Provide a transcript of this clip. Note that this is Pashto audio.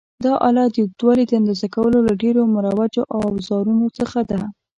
دا آله د اوږدوالي د اندازه کولو له ډېرو مروجو اوزارونو څخه ده.